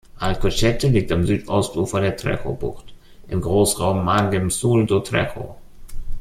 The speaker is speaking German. Alcochete liegt am Südostufer der Tejo-Bucht, im Großraum Margem Sul do Tejo.